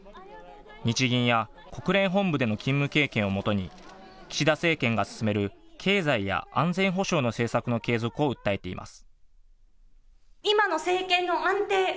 日銀や国連本部での勤務経験をもとに、岸田政権が進める経済や安全保障の政策の継続を訴えています。